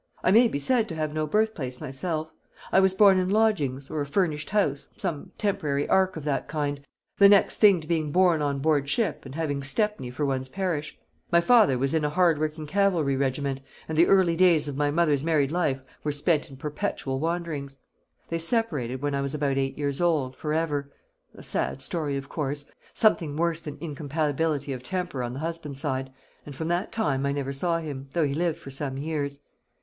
I may be said to have no birthplace myself. I was born in lodgings, or a furnished house some temporary ark of that kind the next thing to being born on board ship, and having Stepney for one's parish. My father was in a hard working cavalry regiment, and the early days of my mother's married life were spent in perpetual wanderings. They separated, when I was about eight years old, for ever a sad story, of course something worse than incompatibility of temper on the husband's side; and from that time I never saw him, though he lived for some years.